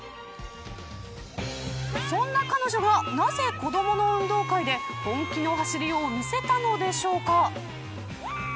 そんな彼女がなぜ子どもの運動会で本気の走りを見せたのでしょうか。